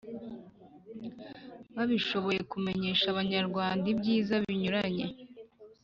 babishoboye kumenyesha abanyarwanda ibyiza binyuranye